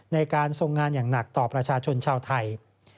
ในการทรงงานอย่างหนักต่อประชาชนชาวไทย